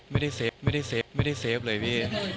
ไม่ได้เซฟเลยพี่